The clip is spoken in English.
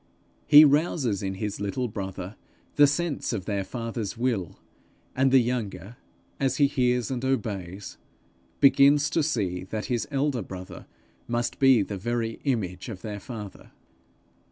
He rouses in his little brother the sense of their father's will; and the younger, as he hears and obeys, begins to see that his elder brother must be the very image of their father.